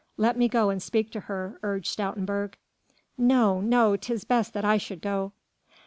"Let me go and speak to her," urged Stoutenburg. "No, no, 'tis best that I should go."